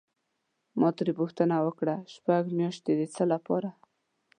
ما ترې پوښتنه وکړه: شپږ میاشتې د څه لپاره؟